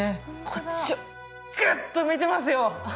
こっちをグッと見てますよ！